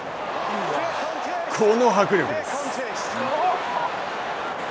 この迫力です！